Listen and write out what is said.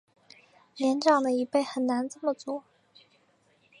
年长的一辈很难这么做